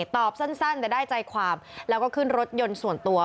ตอบสั้นแต่ได้ใจความแล้วก็ขึ้นรถยนต์ส่วนตัว